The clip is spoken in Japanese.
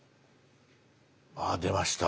あ出ました。